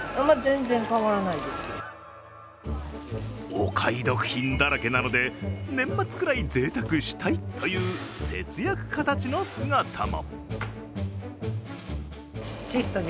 お買い得品だらけなので、年末くらいぜいたくしたいという節約家たちの姿も。